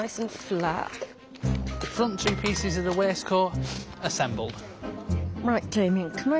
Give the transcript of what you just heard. はい。